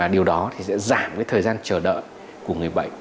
điều đó sẽ giảm thời gian chờ đợi